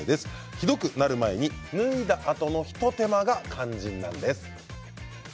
ひどくなる前に脱いだあとの一手間が肝心なんです。